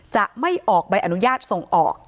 จะไม่ออกใบอนุญาตส่งออก